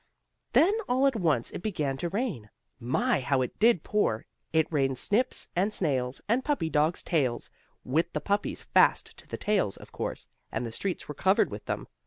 Then all at once it began to rain. My! how it did pour! It rained snips and snails and puppy dogs' tails, with the puppies fast to the tails, of course, and the streets were covered with them.